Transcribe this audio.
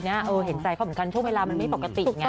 เห็นใจเขาเหมือนกันช่วงเวลามันไม่ปกติไง